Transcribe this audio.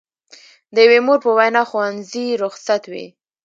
د یوې مور په وینا ښوونځي رخصت وي.